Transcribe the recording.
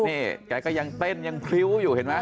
นี่แกก็ยังเต้นยังพริ้วอยู่เห็นไหม